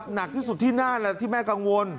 หนักที่สุดที่หน้าแม่กังวล